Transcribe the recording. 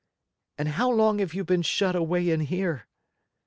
"And how long have you been shut away in here?"